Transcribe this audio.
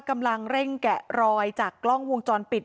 กำลังเร่งแกะรอยจากกล้องวงจรปิด